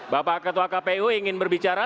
bapak ketua kpu ingin berbicara